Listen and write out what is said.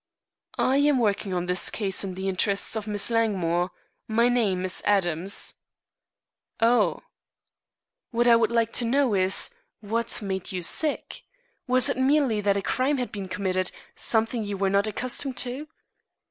"I am working on this case in the interests of Miss Langmore. My name is Adams." "Oh!" "What I would like to know is, What made you sick? Was it merely that a crime had been committed something you were not accustomed to?"